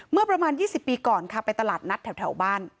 เมื่อประมาณ๒๐ปีก่อนค่ะไปตลาดนัดแถวบ้าน